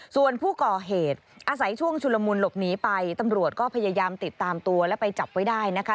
ส่วนผู้ก่อเหตุอาศัยช่วงชุลมุนหลบหนีไปตำรวจก็พยายามติดตามตัวและไปจับไว้ได้นะคะ